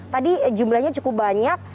tadi jumlahnya cukup banyak